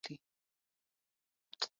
The Ethernet ports are half-duplex only.